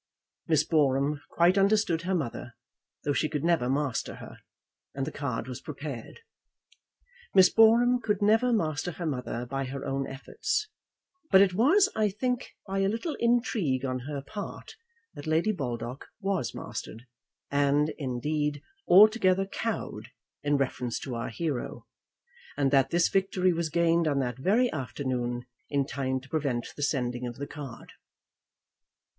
Miss Boreham quite understood her mother, though she could never master her, and the card was prepared. Miss Boreham could never master her mother by her own efforts; but it was, I think, by a little intrigue on her part that Lady Baldock was mastered, and, indeed, altogether cowed, in reference to our hero, and that this victory was gained on that very afternoon in time to prevent the sending of the card.